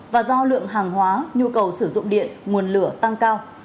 và do lượng hàng hóa nhu cầu sử dụng điện nguồn lửa tăng cao